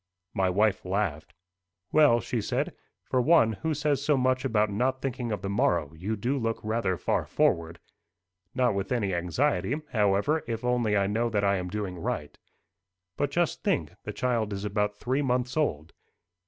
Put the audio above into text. My wife laughed. "Well," she said, "for one who says so much about not thinking of the morrow, you do look rather far forward." "Not with any anxiety, however, if only I know that I am doing right." "But just think: the child is about three months old."